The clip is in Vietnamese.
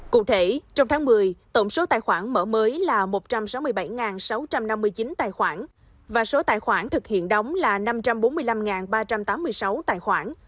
cụ thể trong tháng một mươi tổng số tài khoản mở mới là một trăm sáu mươi bảy sáu trăm năm mươi chín tài khoản và số tài khoản thực hiện đóng là năm trăm bốn mươi năm ba trăm tám mươi sáu tài khoản